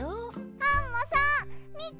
アンモさんみて！